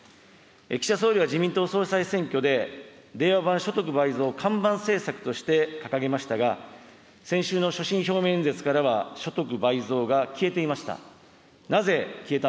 岸田総理は自民党総裁選挙で、令和版所得倍増を看板政策として掲げましたが、先週の所信表明演説からは、所得倍増が消えていました。